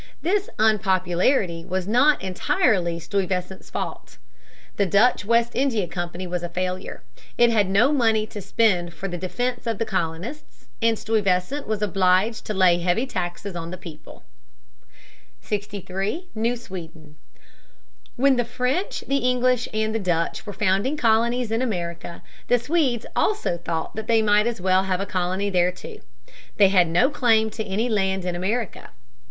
This unpopularity was not entirely Stuyvesant's fault. The Dutch West India Company was a failure. It had no money to spend for the defence of the colonists, and Stuyvesant was obliged to lay heavy taxes on the people. [Sidenote: The Swedes on the Delaware. Higginson, 106 108.] [Sidenote: Stuyvesant conquers them.] 63. New Sweden. When the French, the English, and the Dutch were founding colonies in America, the Swedes also thought that they might as well have a colony there too. They had no claim to any land in America.